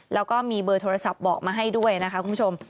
แล้วก็มีเบอร์โทรศัพท์บอกมาให้ด้วยนะคะคุณผู้ชม